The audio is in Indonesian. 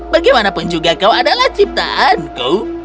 bagaimanapun juga kau adalah ciptaanku